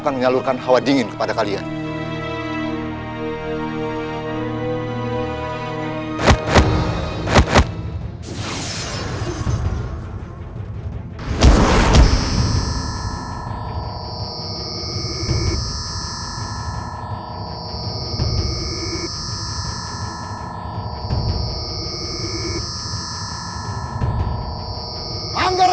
kau pikir aku takut